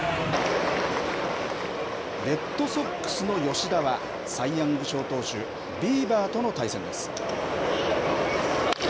レッドソックスの吉田は、サイ・ヤング賞投手、ビーバーとの対戦です。